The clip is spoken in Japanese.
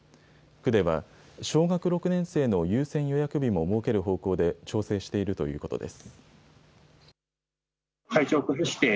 区では、小学６年生の優先予約日も設ける方向で調整しているということです。